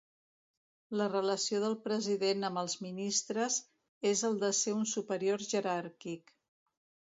La relació del President amb els ministres és el de ser un superior jeràrquic.